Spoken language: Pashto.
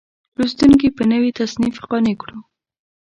لوستونکي په نوي تصنیف قانع کړو.